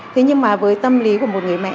thế nhưng mà với tâm lý của một người mẹ